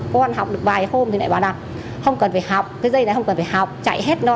con học được vài hôm thì lại bảo là không cần phải học cái dây này không cần phải học chạy hết nó